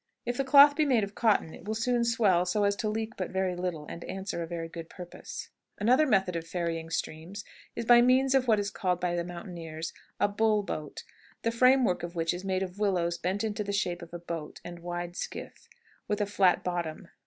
If the cloth be made of cotton, it will soon swell so as to leak but very little, and answers a very good purpose. Another method of ferrying streams is by means of what is called by the mountaineers a "bull boat," the frame work of which is made of willows bent into the shape of a short and wide skiff, with a flat bottom.